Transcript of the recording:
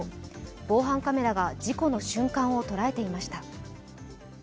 防犯カメラが事故の瞬間を捉えていました。